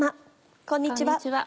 こんにちは。